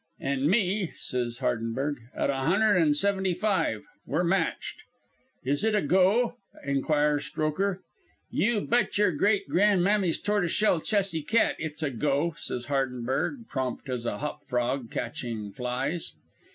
"'An' me,' says Hardenberg, 'at a hunder an' seventy five. We're matched.' "'Is it a go?' inquires Strokher. "'You bet your great gran'mammy's tortis shell chessy cat it's a go,' says Hardenberg, prompt as a hop frog catching flies.